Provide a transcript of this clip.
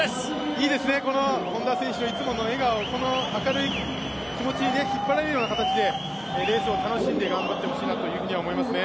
いいですね、本多選手のいつもの笑顔、明るい気持ちに引っ張られるような形でレースを楽しんでほしいなと思いますね。